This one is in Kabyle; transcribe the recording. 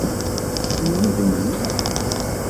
Tennudmem?